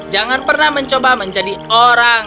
jangan pernah mencoba menjadi orang